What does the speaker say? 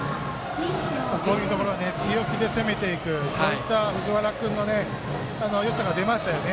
こういうところは強気で攻めていくそういった藤原君のよさが出ましたよね。